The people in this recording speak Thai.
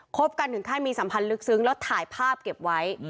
บกันถึงขั้นมีสัมพันธ์ลึกซึ้งแล้วถ่ายภาพเก็บไว้